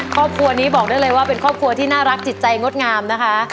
ครอบครัวนี้บอกได้เลยว่าเป็นครอบครัวที่น่ารักจิตใจงดงามนะคะ